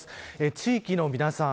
地域の皆さん